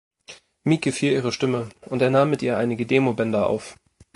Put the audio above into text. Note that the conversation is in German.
Meek gefiel ihre Stimme und er nahm mit ihr einige Demobänder auf.